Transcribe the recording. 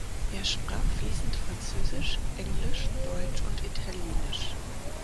Er sprach fließend Französisch, Englisch, Deutsch und Italienisch.